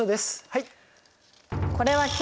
はい。